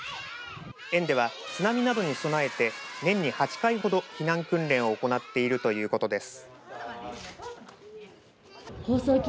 園では津波などに備えて年に８回ほど避難訓練を行っているということです。